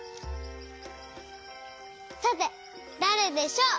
さてだれでしょう？